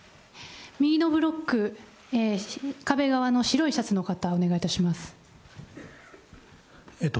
右のブロック、壁側の白いシャツの方、お願いいたします。